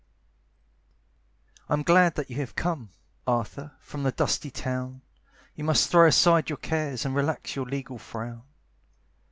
I am glad that you have come, Arthur, from the dusty town; You must throw aside your cares, And relax your legal frown.